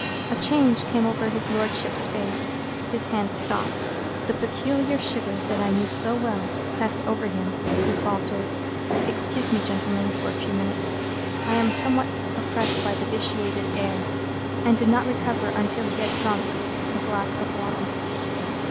A change came over his Lordship's face; his hand stopped; the peculiar shiver, that I knew so well, passed over him; he faltered, "Excuse me, gentlemen, for a few moments. I am somewhat oppressed by the vitiated air;" and did not recover until he had drunk a glass of water.